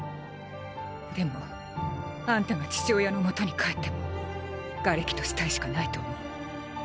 でもあんたが父親の元に帰っても瓦礫と死体しかないと思う。